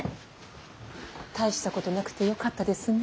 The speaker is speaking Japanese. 大したことなくてよかったですね。